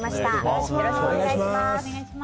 よろしくお願いします。